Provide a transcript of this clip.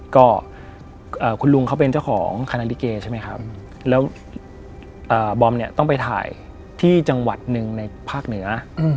ก็คุณลุงเขาเป็นเจ้าของคณะลิเกใช่ไหมครับแล้วบอมเนี่ยต้องไปถ่ายที่จังหวัดหนึ่งในภาคเหนือ